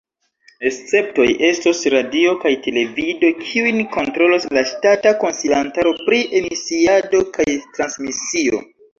Esceptoj estos radio kaj televido, kiujn kontrolos la ŝtata Konsilantaro pri Emisiado kaj Transmisio.